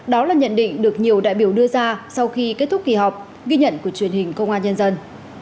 đó là nhận định được nhiều đại biểu đưa ra sau khi kết thúc kỳ họp ghi nhận của truyền hình công an nhân dân